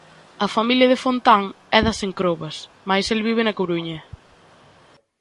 A familia de Fontán é das Encrobas, mais el vive na Coruña.